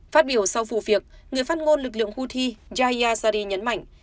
phát biểu sau vụ việc người phát ngôn lực lượng houthi jaya zari nhấn mạnh